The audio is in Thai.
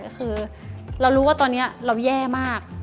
ก็คือเรารู้ว่าตอนนี้เราแย่มาก